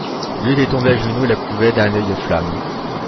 Lui était tombé à genoux et la couvait d’un œil de flamme.